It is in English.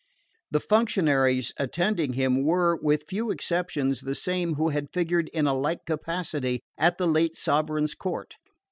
The functionaries attending him were, with few exceptions, the same who had figured in a like capacity at the late sovereign's court.